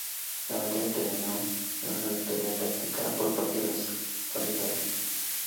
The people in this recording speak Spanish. La batalla terminó en una victoria táctica por parte de los orientales.